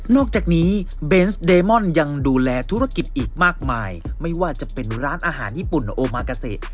จากนี้เบนส์เดมอนยังดูแลธุรกิจอีกมากมายไม่ว่าจะเป็นร้านอาหารญี่ปุ่นโอมากาเซ